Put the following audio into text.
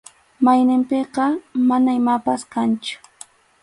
Mayninpiqa mana imapas kanchu.